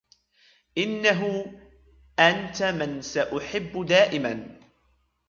إنه أنت من سأحب دائمًا.